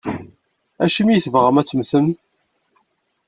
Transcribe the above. Acimi i tebɣam ad temmtem?